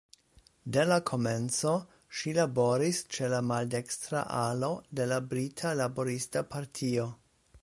De la komenco ŝi laboris ĉe la maldekstra alo de la Brita Laborista Partio.